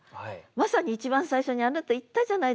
まさに一番最初にあなた言ったじゃないですか。